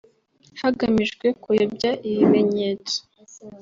hagamijwe kuyobya ibimenyetso